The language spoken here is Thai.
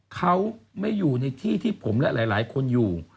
เขาไม่อยู่ในที่ที่ผมและหลายคนอยู่